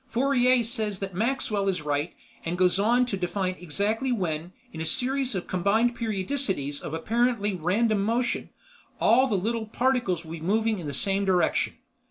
Fourier says that Maxwell is right and goes on to define exactly when, in a series of combined periodicities of apparently random motion, all the little particles will be moving in the same direction.